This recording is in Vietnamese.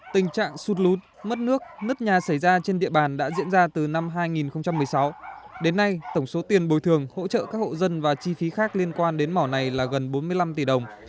tình trạng sụt lún mất nước nứt nhà xảy ra trên địa bàn đã diễn ra từ năm hai nghìn một mươi sáu đến nay tổng số tiền bồi thường hỗ trợ các hộ dân và chi phí khác liên quan đến mỏ này là gần bốn mươi năm tỷ đồng